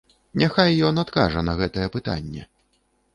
Няхай ён адкажа на гэтае пытанне.